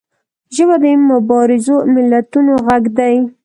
ژبه د مبارزو ملتونو غږ دی